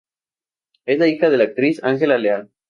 Es la hija de la actriz Angela Leal.